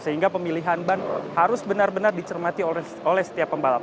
sehingga pemilihan ban harus benar benar dicermati oleh setiap pembalap